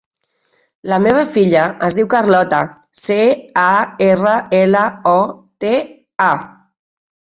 La meva filla es diu Carlota: ce, a, erra, ela, o, te, a.